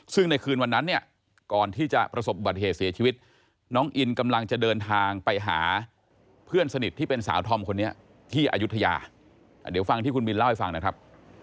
ซึ่งในคืนวันนั้นเนี่ยก่อนที่จะประสบบัติเหตุเสียชีวิตน้องอินกำลังจะเดินทางไปหาเพื่อนสนิทที่เป็นสาวธอมคนนี้ที่อายุทยาเดี๋ยวฟังที่คุณบินเล่าให้ฟังนะครับ